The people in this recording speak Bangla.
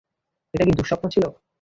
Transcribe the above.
এটা কী দুঃস্বপ্ন ছিল?